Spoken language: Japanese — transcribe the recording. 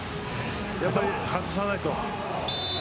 やはり外さないと。